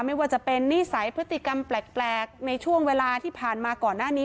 ไม่ว่าจะเป็นนิสัยพฤติกรรมแปลกในช่วงเวลาที่ผ่านมาก่อนหน้านี้